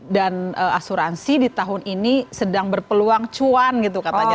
dan asuransi di tahun ini sedang berpeluang cuan gitu katanya